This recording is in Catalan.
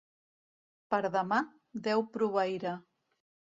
Per demà, Déu proveirà.